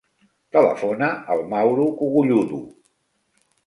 Telefona al Mauro Cogolludo.